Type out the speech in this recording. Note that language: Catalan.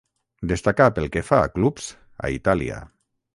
Destacà pel que fa a clubs, a Itàlia.